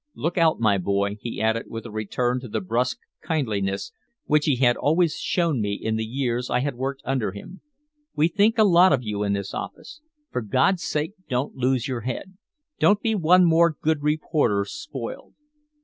Look out, my boy," he added, with a return to the old brusque kindliness which he had always shown me in the years I had worked under him. "We think a lot of you in this office. For God's sake don't lose your head. Don't be one more good reporter spoiled."